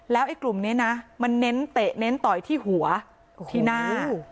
ไอ้กลุ่มนี้นะมันเน้นเตะเน้นต่อยที่หัวที่หน้า